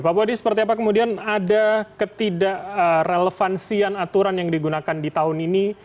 pak budi seperti apa kemudian ada ketidak relevansian aturan yang digunakan di tahun ini